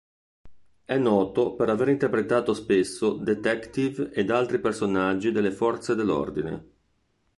È noto per aver interpretato spesso detective e altri personaggi delle forze dell'ordine.